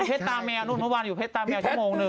ตาแมวนู่นเมื่อวานอยู่เพชรตาแมวชั่วโมงหนึ่ง